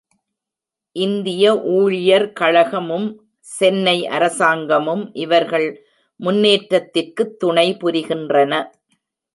இந்திய ஊழியர்கழக மும், சென்னை அரசாங்கமும் இவர்கள் முன்னேற்றத்திற்குத் துணைபுரிகின்றன.